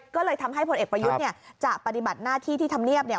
ก็เลยทำให้ผลเอกประยุทธ์เนี่ยจะปฏิบัติหน้าที่ที่ทำเนียบเนี่ย